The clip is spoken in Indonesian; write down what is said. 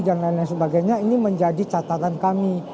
lain lain sebagainya ini menjadi catatan kami